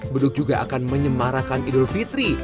beduk juga akan menyemarakan idul fitri